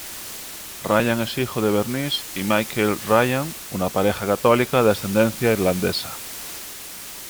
Ryan es hijo de Bernice y Michael Ryan, una pareja católica de ascendencia irlandesa.